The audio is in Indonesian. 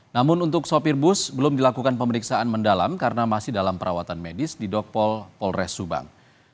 namun untuk sopir bus belum dilakukan pemeriksaan mendalam karena masih dalam perawatan medis di dokpol polres subang